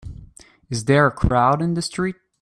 Is there a crowd in the street?